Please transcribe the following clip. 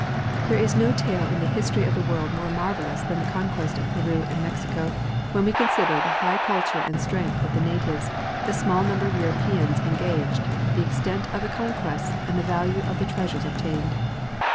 There is no tale in the history of the Avorld more marvelous than the conquest of Peru and Mexico, when we consider the high culture and strength of the natives, the small number of Europeans engaged, the extent of the conquests, and the value of the treasures obtained.